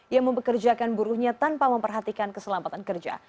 yang membekerjakan buruhnya tanpa memperhatikan keselamatan kerja